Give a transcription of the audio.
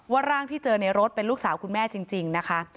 ร่างที่เจอในรถเป็นลูกสาวคุณแม่จริงนะคะ